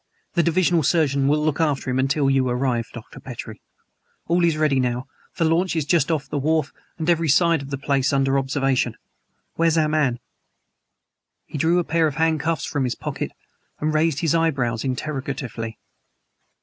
"The divisional surgeon will look after him until you arrive, Dr. Petrie. All is ready now. The launch is just off the wharf and every side of the place under observation. Where's our man?" He drew a pair of handcuffs from his pocket and raised his eyebrows interrogatively.